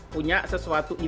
punya sesuatu event